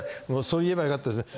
そう言えばよかったですね。